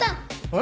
え？